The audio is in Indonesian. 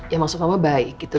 ya maksud kamu baik gitu